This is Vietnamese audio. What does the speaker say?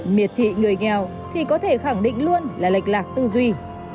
miệt thị người nghèo thì có thể khẳng định luôn là lệch lạc tư duy